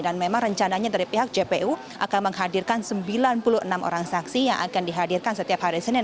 dan memang rencananya dari pihak jpu akan menghadirkan sembilan puluh enam orang saksi yang akan dihadirkan setiap hari senin